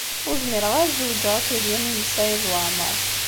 Ur zmireɣ ara ad zewǧeɣ akked Lyamin n Saɛid Waɛmeṛ.